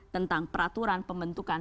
tentang peraturan pembentukan